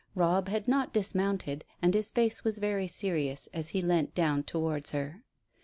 Robb had not dismounted, and his face was very serious as he leant down towards her.